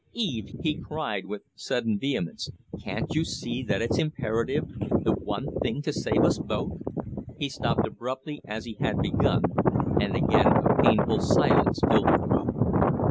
"Eve!" he cried, with sudden vehemence, "can't you see that it's imperative the one thing to save us both?" He stopped abruptly as he had begun, and again a painful silence filled the room.